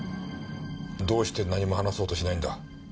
どうして何も話そうとしないんだ？